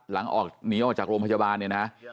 หลังออกหนีออกจากโรงพยาบาลเนี่ยนะ